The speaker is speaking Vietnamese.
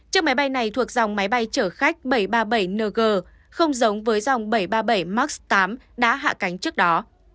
chiếc máy bay này thuộc dòng máy bay chở khách bảy trăm ba mươi bảy ng không giống với dòng bảy trăm ba mươi bảy max tám đã hạ cánh trước đó